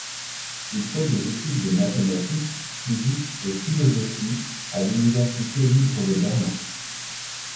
Il fait des études de mathématiques, physique et philosophie à l'université libre de Berlin.